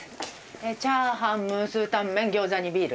チャーハンムースータンメン餃子にビール。